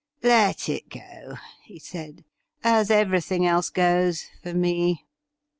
' Let it go,' he said, ' as eveiything else goes — ^for me.'